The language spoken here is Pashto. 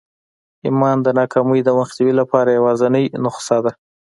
ایمان د ناکامۍ د مخنیوي لپاره یوازېنۍ نسخه ده